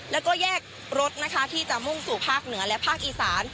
แล้วก็แยกรถนะคะที่จะมุ่งสู่ภาคเหนือและภาคอีสาน